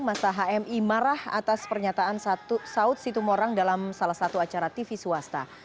masa hmi marah atas pernyataan saud situmorang dalam salah satu acara tv swasta